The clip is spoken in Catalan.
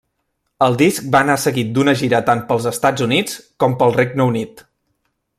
El disc va anar seguit d'una gira tant pels Estats Units com pel Regne Unit.